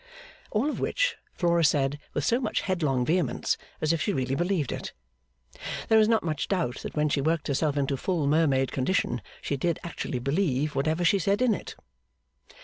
All of which Flora said with so much headlong vehemence as if she really believed it. There is not much doubt that when she worked herself into full mermaid condition, she did actually believe whatever she said in it.